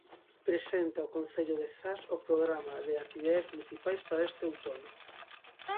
Presenta o concello de Zas o programa de actividades municipais para este outono.